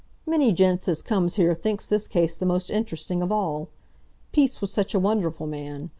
"Many gents as comes here thinks this case the most interesting of all. Peace was such a wonderful man!